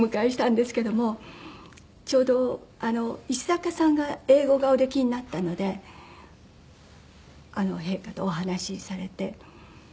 ちょうど石坂さんが英語がおできになったので陛下とお話しされて。